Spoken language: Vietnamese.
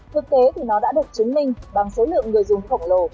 thực tế thì nó đã được chứng minh bằng số lượng người dùng khổng lồ